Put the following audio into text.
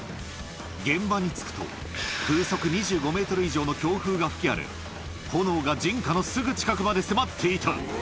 現場に着くと、風速２５メートル以上の強風が吹き荒れ、炎が人家のすぐ近くまで迫っていた。